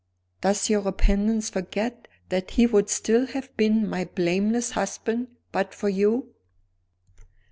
Does your repentance forget that he would still have been my blameless husband but for you?"